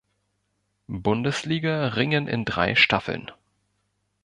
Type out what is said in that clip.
Bundesliga ringen in drei Staffeln.